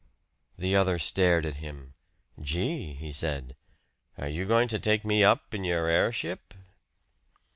The other stared at him. "Gee!" he said, "are you going to take me up in your airship?"